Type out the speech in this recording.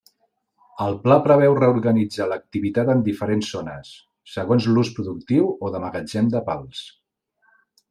El Pla preveu reorganitzar l'activitat en diferents zones, segons l'ús productiu o de magatzem de pals.